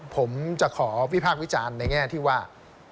ผมจะขอวิพากษ์วิจารณ์ในแง่ที่ว่า